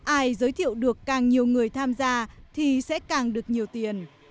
ai giới thiệu được càng nhiều người tham gia thì sẽ càng được nhiều tiền